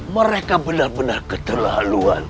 mereka benar benar keterlaluan